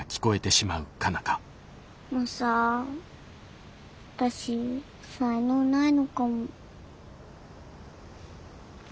マサ私才能ないのかも。